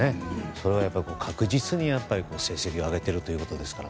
そして確実に成績を挙げているということですから。